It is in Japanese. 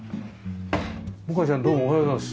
モカちゃんどうもおはようございます。